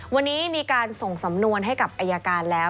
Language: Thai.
วันนี้มีการส่งสำนวนให้กับอายการแล้ว